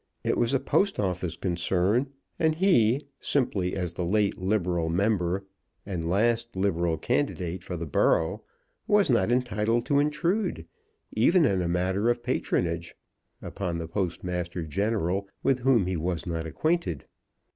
It was a Post Office concern; and he, simply as the late liberal member, and last liberal candidate for the borough, was not entitled to intrude, even in a matter of patronage, upon the Postmaster General, with whom he was not acquainted.